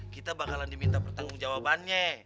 kita bakalan diminta pertanggung jawabannya